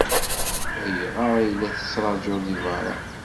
Ayɣer ay la tettṛajuḍ deg beṛṛa?